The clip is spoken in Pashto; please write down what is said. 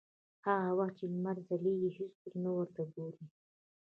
هغه وخت چې لمر ځلېږي هېڅوک نه ورته ګوري.